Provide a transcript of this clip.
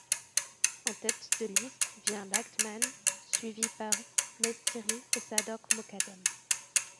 En tête de liste vient Ladgham suivi par Mestiri et Sadok Mokaddem.